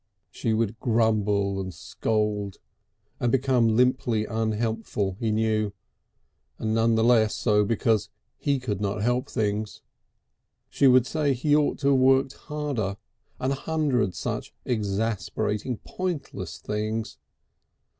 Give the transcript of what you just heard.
She would grumble and scold and become limply unhelpful, he knew, and none the less so because he could not help things. She would say he ought to have worked harder, and a hundred such exasperating pointless things.